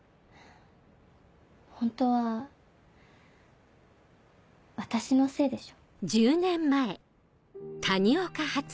ホントは私のせいでしょ？